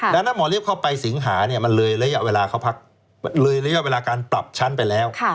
ดังนั้นหมอเรี๊บเข้าไปสิงหามันเลยระยะเวลาการปรับชั้นไปแล้ว